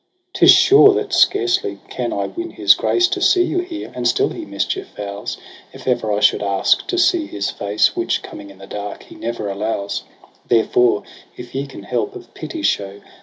II ' 'Tis sure that scarcely can I win his grace To see you here j and still he mischief vows If ever I should ask to see his face. Which, coming in the dark, he ne'er allows. Therefore, if ye can help, of pity show.